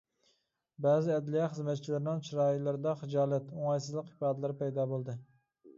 بەزى ئەدلىيە خىزمەتچىلىرىنىڭ چىرايلىرىدا خىجالەت، ئوڭايسىزلىق ئىپادىلىرى پەيدا بولدى.